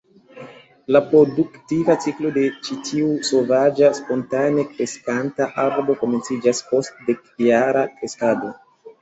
La produktiva ciklo de ĉi tiu sovaĝa spontane kreskanta arbo komenciĝas post dekjara kreskado.